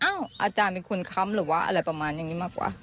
อาจารย์เป็นคนค้ำหรือว่าอะไรประมาณอย่างนี้มากกว่า